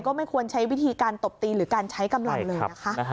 ไม่ควรใช้วิธีการตบตีหรือการใช้กำลังเลยนะคะ